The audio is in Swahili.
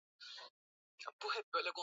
utaambiwa nauli ni kiasi fulani